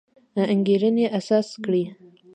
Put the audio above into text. انګېرنې اساس کړی.